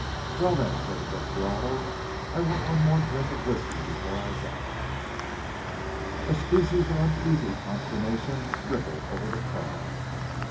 "Well, then," said the desperado, "I want one more drink of whiskey before I die." A species of uneasy consternation rippled over the crowd.